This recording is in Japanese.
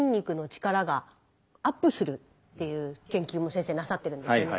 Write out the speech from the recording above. っていう研究も先生なさってるんですよね。